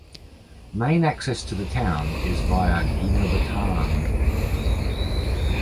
Main access to the town is via Guinobatan.